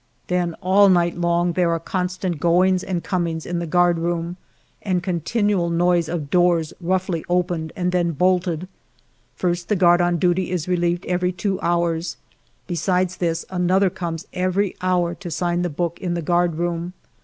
Then all night long there are constant goings 10 146 FIVE YEARS OF MY LIFE and comings in the guard room, and continual noise of doors roughly opened and then bolted. First, the guard on duty is relieved every two hours ; besides this, another comes every hour to sign the book in the guard room.